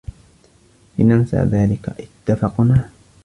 لننسى ذلك، اتّفقنا؟